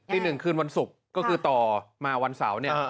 หนึ่งคืนวันศุกร์ก็คือต่อมาวันเสาร์เนี่ย